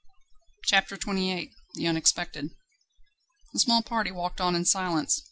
CHAPTER XXVIII The unexpected. The small party walked on in silence.